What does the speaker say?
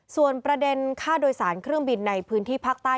ส่วนประเด็นค่าโดยสารเครื่องบินในพื้นที่ภาคใต้